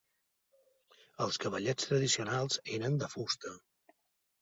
Els cavallets tradicionals eren de fusta.